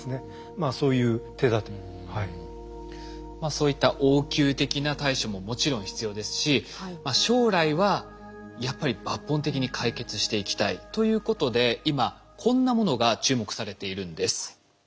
そういった応急的な対処ももちろん必要ですし将来はやっぱり抜本的に解決していきたいということで今こんなものが注目されているんです。